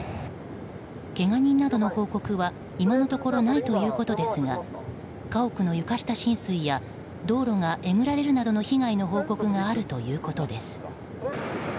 けが人などの報告は今のところないということですが家屋の床下浸水や道路がえぐられるなどの被害の報告があるということです。